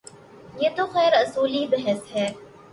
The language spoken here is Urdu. یہ تو خیر اصولی بحث ہے۔